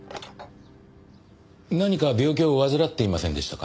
何か病気を患っていませんでしたか？